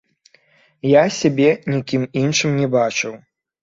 Я сябе нікім іншым не бачыў.